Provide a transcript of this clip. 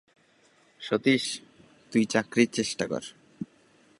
সতীশ, তুই চাকরির চেষ্টা কর।